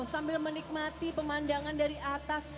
sambil menikmati pemandangan dari atas